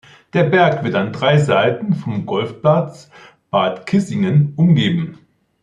Der Berg wird an drei Seiten vom Golfplatz Bad Kissingen umgeben.